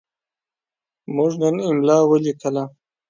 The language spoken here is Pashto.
موږ نن املا ولیکه.